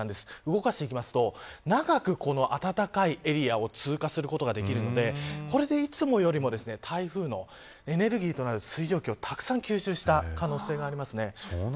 動かしていきますと長くこの暖かいエリアを通過することができるのでこれでいつもよりも台風のエネルギーとなる水蒸気をたくさん吸収した可能性があります。